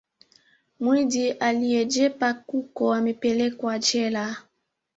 Mwidhi aliyejepa kuku amepelekwa jela